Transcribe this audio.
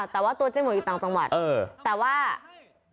แต่ว่าตัวเจ้าไอ้หมวนอยู่ต่างจังหวัดแต่ว่าไม่ทัน